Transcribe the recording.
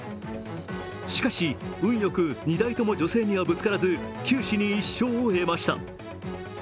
しかし運良く２台とも女性にはぶつからず九死に一生を得ました。